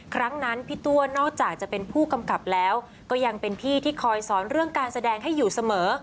ครั้งนั้นพี่ตัวนอกจากจะเป็นผู้กำกับแล้วก็ยังเป็นพี่ที่คอยสอนเรื่องการแสดงให้อยู่เสมอ